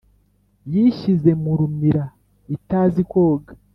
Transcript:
Yishyize mu rumira itazi kwoga,